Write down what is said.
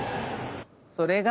それが。